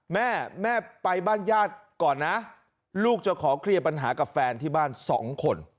แม่แม่ไปบ้านญาติก่อนนะลูกจะขอเคลียร์ปัญหากับแฟนที่บ้าน๒คน